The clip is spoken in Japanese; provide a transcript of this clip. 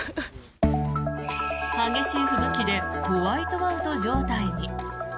激しい吹雪でホワイトアウト状態に。